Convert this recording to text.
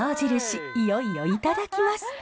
いよいよいただきます。